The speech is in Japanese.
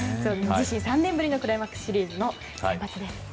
自身３回目のクライマックスシリーズの先発です。